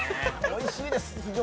おいしいです。